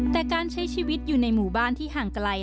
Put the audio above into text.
แต่การใช้ชีวิตอยู่ในหมู่บ้านที่ห่างไกล